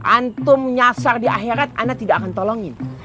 antum nyasar di akhirat anda tidak akan tolongin